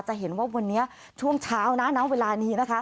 จะเห็นว่าวันนี้ช่วงเช้าน้ำเวลานี้